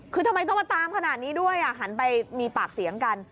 คือทำไมต้องมาตามขนาดนี้ด้วยหันไปมีปากเสียงกัน